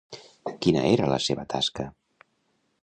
Quina era la seva tasca?